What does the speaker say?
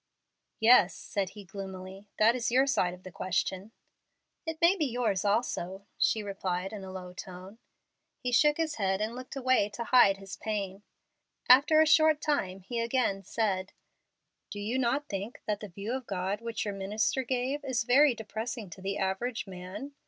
"Yes," said he, gloomily, "that is your side of the question." "It may be yours also," she replied, in a low tone. He shook his head and looked away to hide his pain. After a short time he again said, "Do you not think that the view of God which your minister gave is very depressing to the average man?